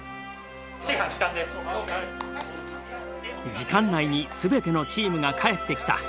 時間内に全てのチームが帰ってきた。